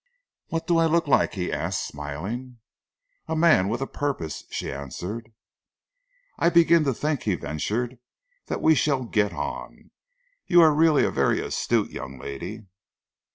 "What do I look like?" he asked, smiling. "A man with a purpose," she answered. "I begin to think," he ventured, "that we shall get on. You are really a very astute young lady."